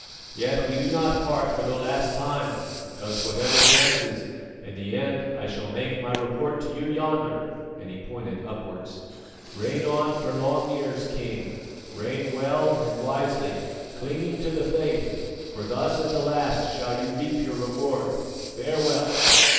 Yet we do not part for the last time, because whatever chances, in the end I shall make my report to you yonder" and he pointed upwards. "Reign on for long years, King reign well and wisely, clinging to the Faith, for thus at the last shall you reap your reward. Farewell!"